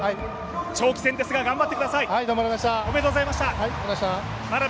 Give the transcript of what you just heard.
長期戦ですが頑張ってください。